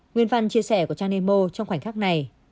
nguyên văn chia sẻ của trang nemo trong khoảnh khắc này